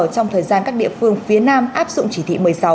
trong thời gian các địa phương phía nam áp dụng chỉ thị một mươi sáu